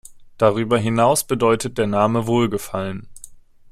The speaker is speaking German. Darüber hinaus bedeutet der Name „Wohlgefallen“.